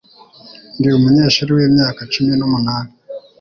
Ndi umunyeshuri wimyaka cumi n'umunani.